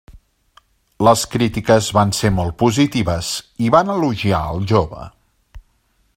Les crítiques van ser molt positives i van elogiar al jove.